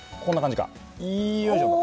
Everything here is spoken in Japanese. よいしょ！